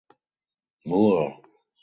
Moore.